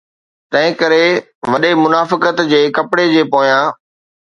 تنهنڪري وڏي منافقت جي ڪپڙي جي پويان.